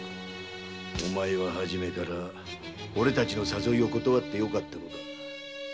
お前は初めからオレたちの誘いを断ってよかったのだ。